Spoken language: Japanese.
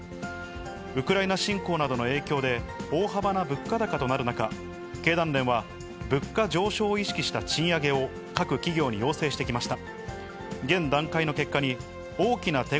ウクライナ侵攻などの影響で、大幅な物価高となる中、経団連は物価上昇を意識した賃上げを各企業に要請してきました。